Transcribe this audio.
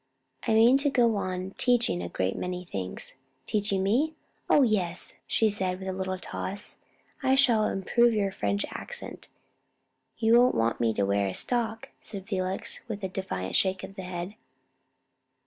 I mean to go on teaching a great many things." "Teaching me?" "Oh, yes," she said, with a little toss; "I shall improve your French accent." "You won't want me to wear a stock," said Felix, with a defiant shake of the head.